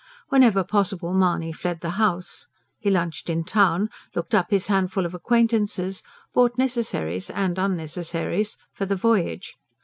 Whenever possible, Mahony fled the house. He lunched in town, looked up his handful of acquaintances, bought necessaries and unnecessaries for the voyage.